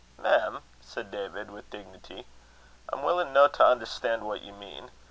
"Mem!" said David, with dignity, "I'm willin' no to understan' what ye mean.